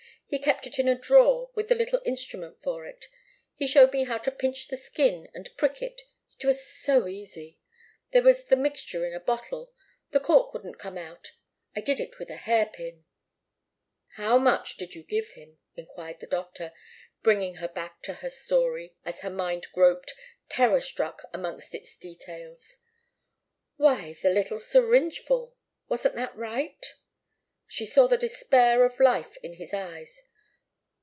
He kept it in a drawer with the little instrument for it. He showed me how to pinch the skin and prick it it was so easy! There was the mixture in a bottle the cork wouldn't come out I did it with a hairpin " "How much did you give him?" enquired the doctor, bringing her back to her story, as her mind groped, terror struck amongst its details. "Why the little syringe full wasn't that right?" She saw the despair of life in his eyes.